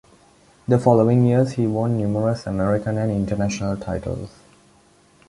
The following years he won numerous American and international titles.